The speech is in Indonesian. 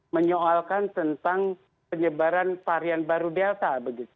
menyoalkan tentang penyebaran varian baru delta